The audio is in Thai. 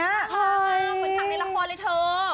เหมือนสั่งในละครเลยเธอ